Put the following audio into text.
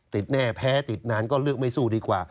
ติดแน่แพ้ติดนานก็เลือกไม่สู้ดีกว่า